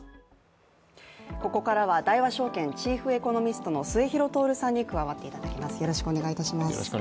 ここからは大和証券チーフエコノミストの末廣徹さんに加わっていただきます。